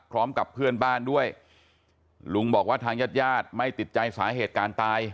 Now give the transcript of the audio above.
พร้อมกับเพื่อนบ้านด้วยลุงบอกว่าทางญาติญาติไม่ติดใจสาเหตุการณ์ตาย